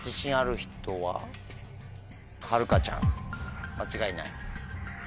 はるかちゃん間違いない？